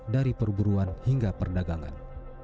dari perburuan hingga perdagangan